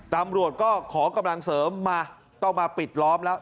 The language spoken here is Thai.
ตำรวจก็ขอกำลังเสริมมาต้องมาปิดล้อมแล้ว